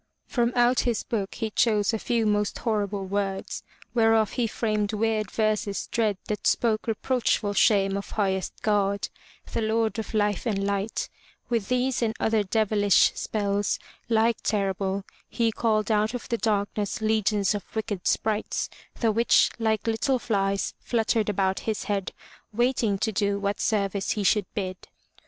From out his book he chose a few most horrible words, whereof 17 M Y BOOK HOUSE — pp^^^ ^^^._^. j^^ framed weird verses dread that spoke W "^'ms^^^^^^Mi) reproachful shame of highest God, the Jr^'^a^^l^^^l Lord of Hfe and light. With these and .^(•^i^^o, \^i% .' other deviUsh spells, like terrible, he called out of the darkness legions of wicked sprites, the which like little flies fluttered about his head, waiting to do what service he should bid.